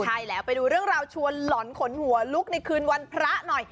ใช่แล้วไปดูเรื่องราวชวนหล่อนขนหัวลุกในคืนวันพระหน่อย